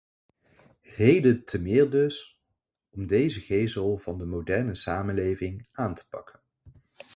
Reden te meer, dus, om deze gesel van de moderne samenleving aan te pakken.